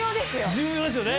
重要ですよね！